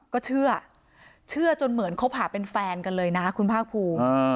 ก็เชื่อเชื่อจนเหมือนคบหาเป็นแฟนกันเลยนะคุณภาคภูมิ